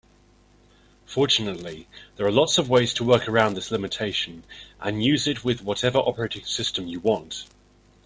Fortunately, there are lots of ways to work around this limitation and use it with whatever operating system you want.